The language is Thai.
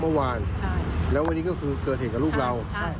เมื่อวานแล้ววันนี้ก็คือเกิดเหตุกับลูกเรา